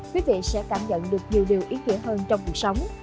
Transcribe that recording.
quý vị sẽ cảm nhận được nhiều điều ý nghĩa hơn trong cuộc sống